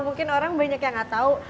mungkin orang banyak yang nggak tahu